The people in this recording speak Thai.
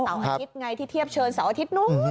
อาทิตย์ไงที่เทียบเชิญเสาร์อาทิตย์นู้น